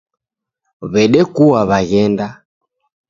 Wedekua waghenda